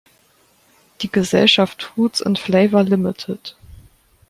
Die Gesellschaft "Fruits and Flavour Ltd.